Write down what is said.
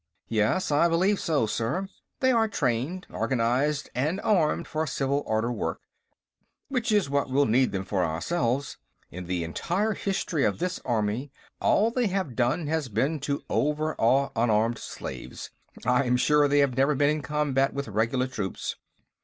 "Yes, I believe so, sir. They are trained, organized and armed for civil order work, which is what we'll need them for ourselves. In the entire history of this army, all they have done has been to overawe unarmed slaves; I am sure they have never been in combat with regular troops.